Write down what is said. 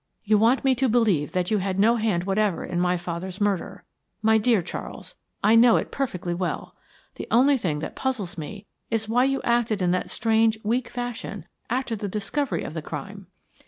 You want me to believe that you had no hand whatever in my father's murder. My dear Charles, I know it perfectly well. The only thing that puzzles me is why you acted in that strange weak fashion after the discovery of the crime."